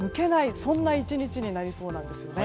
そんな１日になりそうなんです。